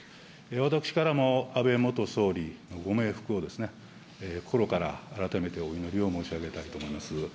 私からも、安倍元総理のご冥福を心から改めてお祈りを申し上げたいと思います。